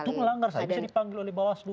oh itu melanggar saya bisa dipanggil oleh bawah slu